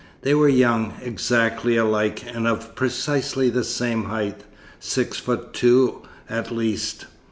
They were young, exactly alike, and of precisely the same height, six foot two at least.